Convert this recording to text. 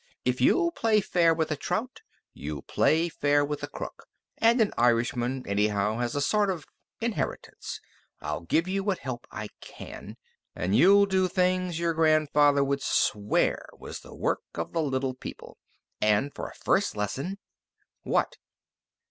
If you'll play fair with a trout, you'll play fair with a crook, and an Irishman, anyhow, has a sort of inheritance I'll give you what help I can, and you'll do things your grandfather would swear was the work of the Little People. And for a first lesson " "What?"